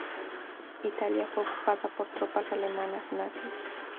Italia fue ocupada por tropas alemanas nazis.